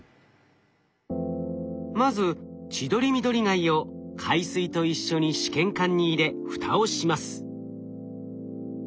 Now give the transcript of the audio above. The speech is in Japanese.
まずチドリミドリガイを海水と一緒に試験管に入れ蓋をします。